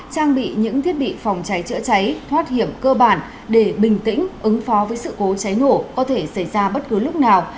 trang bị những thiết bị phòng cháy chữa cháy thoát hiểm cơ bản để bình tĩnh ứng phó với sự cố cháy nổ có thể xảy ra bất cứ lúc nào